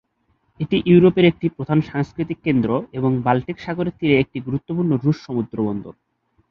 এটি ইউরোপের একটি প্রধান সাংস্কৃতিক কেন্দ্র এবং বাল্টিক সাগরের তীরে একটি গুরুত্বপূর্ণ রুশ সমুদ্র বন্দর।